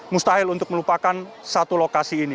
mustahil untuk melupakan satu lokasi ini